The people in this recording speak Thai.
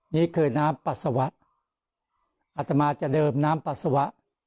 นี่คือน้ำปัสสาวะอัตมาจะเดิมน้ำปัสสาวะ